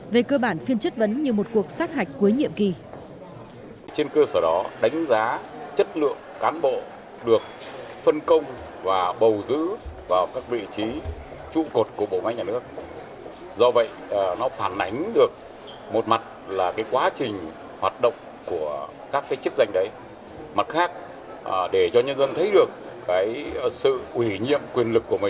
về cơ bản phiên chất vấn như một cuộc sát hạch cuối nhiệm kỳ